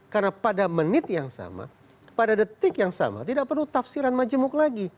karena pada menit yang sama pada detik yang sama tidak perlu tafsiran majemuk lagi